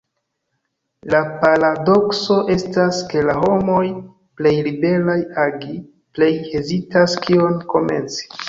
La paradokso estas ke la homoj plej liberaj agi, plej hezitas kion komenci.